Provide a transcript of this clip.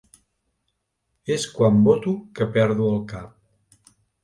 És quan voto que perdo el cap.